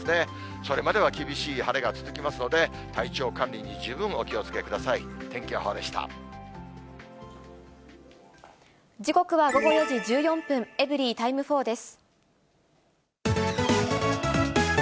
それまでは厳しい晴れが続きますので、体調管理に十分お気をつけ時刻は午後４時１４分、エブリィタイム４です。